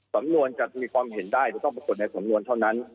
สำนวนจะมีความเห็นได้หรือต้องปรากฏในสำนวนเท่านั้น